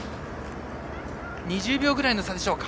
２０秒くらいの差でしょうか。